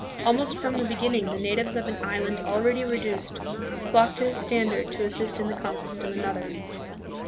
Almost from the beginning, the natives of an island already reduced flocked to his standard to assist in the conquest of another.